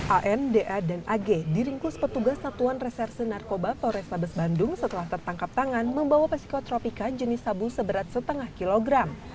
an da dan ag diringkus petugas satuan reserse narkoba polrestabes bandung setelah tertangkap tangan membawa psikotropika jenis sabu seberat setengah kilogram